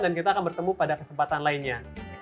dan kita akan bertemu pada kesempatan lainnya